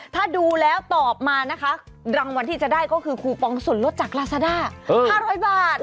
ถ้าดูแล้วตอบมานะคะรางวัลที่จะได้ก็คือคูปองส่วนลดจากลาซาด้า๕๐๐บาท